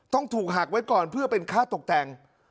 ต้องถูกหักไว้ก่อนเพื่อเป็นค่าตกแต่ง